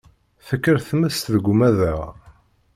Tekker tmes deg umadaɣ